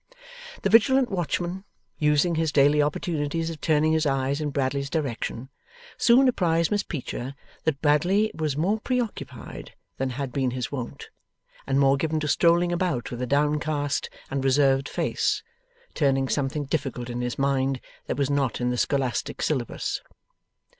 The vigilant watchman, using his daily opportunities of turning his eyes in Bradley's direction, soon apprized Miss Peecher that Bradley was more preoccupied than had been his wont, and more given to strolling about with a downcast and reserved face, turning something difficult in his mind that was not in the scholastic syllabus.